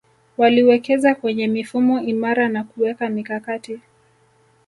Waliwekeza kwenye mifumo imara na kuweka mikakati